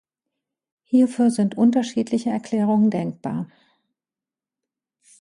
Hierfür sind unterschiedliche Erklärungen denkbar.